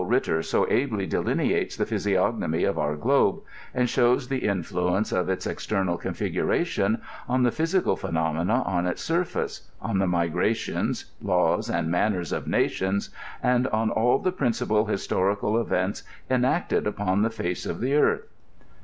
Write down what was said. &itter so ably delineates the physiognomy of our globe, and shows the influ ence of its external eonfigurati(»i on the physical phenomena on its surface, on the migrations, laws, and manners of nations, and on all the principal historical events enacted upon the face of the earth.